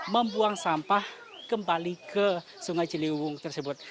membuang sampah kembali ke sungai ciliwung tersebut